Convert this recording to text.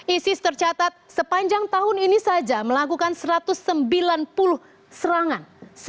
isis tercatat sepanjang tahun ini saja melakukan satu ratus sembilan puluh serangan